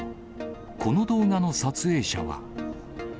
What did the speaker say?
この動画の撮影者は。